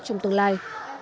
trong tương lai